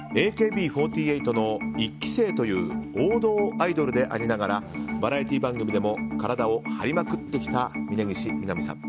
ＡＫＢ４８の１期生という王道アイドルでありながらバラエティー番組でも体を張りまくってきた峯岸みなみさん。